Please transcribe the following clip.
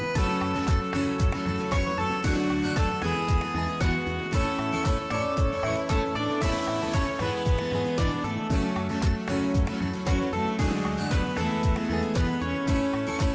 ตรวจสอบอุณหภูมิต่างประเทศดีกว่าครับครับ